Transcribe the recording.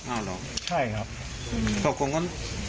อ้าวเหรอใช่ครับ